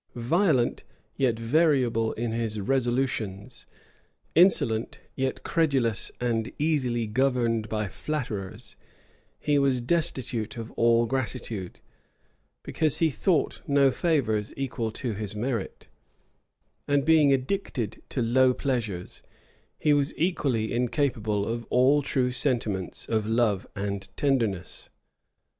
Violent, yet variable in his resolutions; insolent, yet credulous and easily governed by flatterers; he was destitute of all gratitude, because he thought no favors equal to his merit; and being addicted to low pleasures, he was equally incapable of all true sentiments of love and tenderness.